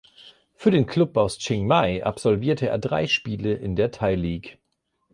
Für den Club aus Chiangmai absolvierte er drei Spiele in der Thai League.